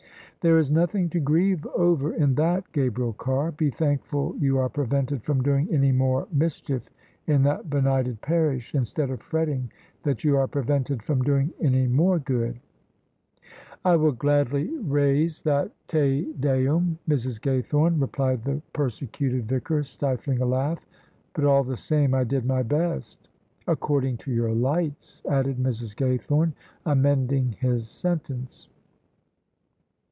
"There is nothing to grieve over in that, Gabriel Carr: be thankful you are prevented from doing any more mis chief in that benighted parish, instead of fretting that you are prevented from doing any more good." " I will gladly raise that Te Deum, Mrs. Gaythorne," replied the persecuted Vicar, stifling a laugh: "but, all the same, I did my best." "According to your lights," added Mrs. Gaythorne, amending his sentence.